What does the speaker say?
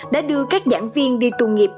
đã đưa các giảng viên đi tù nghiệp